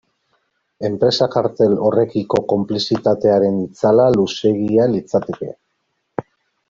Enpresa kartel horrekiko konplizitatearen itzala luzeegia litzateke.